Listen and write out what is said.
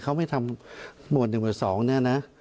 เขาไม่ทำหมวด๑หมวด๒เนี่ยนะ